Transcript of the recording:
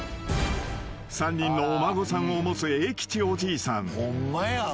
［３人のお孫さんを持つ栄吉おじいさん］